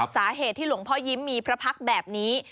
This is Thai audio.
สาเหตุที่หลวงพ่อยิ้มมีพระพักษ์แบบนี้